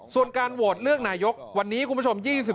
ส่วนการโหวตเลือกนายกวันนี้คุณผู้ชม